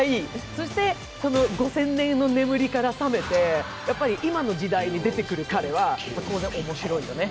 そして５０００年の眠りから覚めて今の時代に出てくる彼は当然面白いよね。